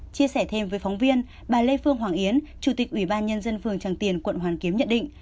chia sẻ thêm với phóng viên bà lê phương hoàng yến chủ tịch ủy ban nhân dân phường tràng tiền quận hoàn kiếm nhận định